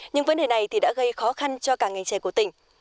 nhưng vấn đề này thì đã gây khó khăn cho cả ngành trẻ của tỉnh